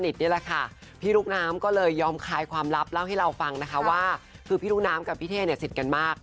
แต่ว่าวันไหน